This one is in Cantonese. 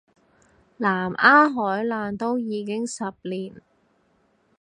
南丫海難都已經十年